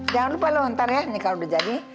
jangan lupa lo ntar ya nih kalau udah jadi